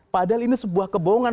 padahal ini sebuah kebohongan